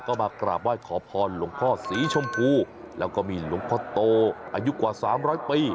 ก็มากราบไหว้ขอพรหลวงพ่อสีชมพูแล้วก็มีหลวงพ่อโตอายุกว่าสามร้อยปี